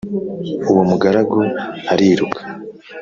Uwo mugaragu ariruka